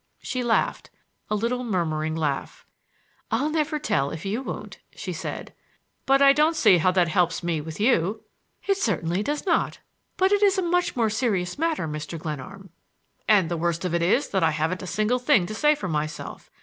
She laughed,—a little murmuring laugh. "I'll never tell if you won't," she said. "But I don't see how that helps me with you?" "It certainly does not! That is a much more serious matter, Mr. Glenarm." "And the worst of it is that I haven't a single thing to say for myself.